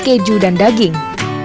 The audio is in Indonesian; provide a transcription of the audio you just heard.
keju dan daging